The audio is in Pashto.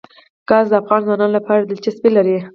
ګاز د افغان ځوانانو لپاره دلچسپي لري.